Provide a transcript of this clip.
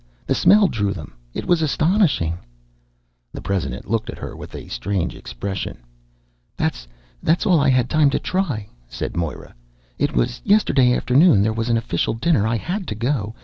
The smell drew them. It was astonishing!" The president looked at her with a strange expression. "That's ... that's all I had time to try," said Moira. "It was yesterday afternoon. There was an official dinner. I had to go.